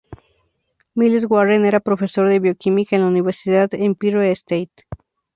Miles Warren era profesor de bioquímica en la universidad Empire State.